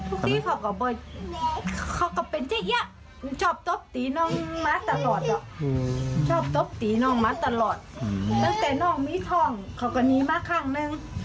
พวกนี้เค้าก็บ่อยเค้าก็เป็นเจ๊ยะชอบตบตีน้องมาตลอดอ่ะชอบตบตีน้องมาตลอดตั้งแต่น้องมีท่องเค้าก็หนีมาข้างนึง